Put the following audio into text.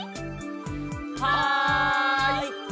はい！